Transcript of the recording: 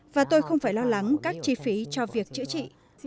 và tôi không phải lo lắng các chi phí cho việc chữa trị